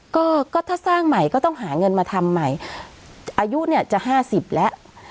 ก็ก็ถ้าสร้างใหม่ก็ต้องหาเงินมาทำใหม่อายุเนี่ยจะห้าสิบแล้ว